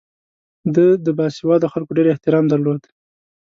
ده د باسواده خلکو ډېر احترام درلود.